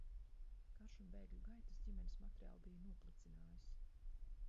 Karš un bēgļu gaitas ģimenes materiāli bija noplicinājis.